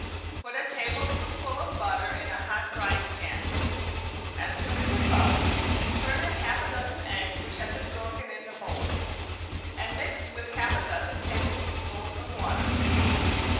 Put a tablespoonful of butter in a hot frying pan, as soon as it bubbles turn in half a dozen eggs which have been broken into a bowl, and mix with half a dozen tablespoonfuls of water.